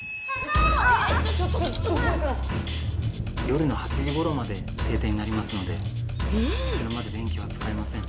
夜の８時ごろまで停電になりますのでそれまで電気はつかえません。